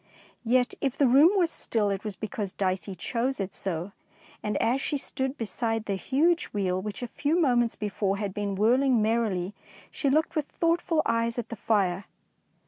Yet, if the room was still, it was but because Dicey chose it so, and as she stood beside the huge wheel which a few moments before had been whirling merrily, she looked with thoughtful eyes at the fire.